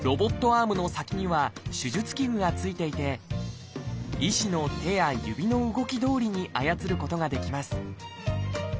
アームの先には手術器具が付いていて医師の手や指の動きどおりに操ることができます